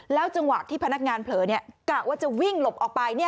จังหวะที่พนักงานเผลอกะว่าจะวิ่งหลบออกไป